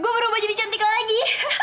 gua gua gua merubah jadi cantik lagi